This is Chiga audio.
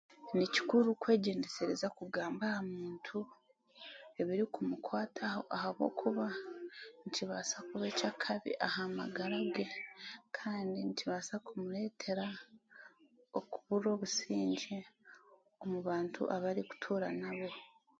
Ni kikuru kwegyendesereza kugamba aha muntu ebirikumukwataho ahabwokuba nikibaasa kuba ekyakabi aha magara ge kandi nikibaasa kumureetera okubura obusingye omu bantu abu arikutuura nabo.